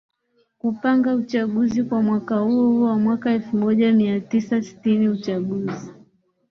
kupanga uchaguzi kwa mwaka huohuo wa mwaka elfu moja mia tisa sitini Uchaguzi